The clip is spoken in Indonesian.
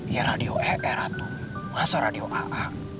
ya radio era tuh masa radio aa